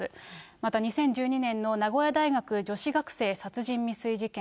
また２０１２年の名古屋大学女子学生殺人未遂事件。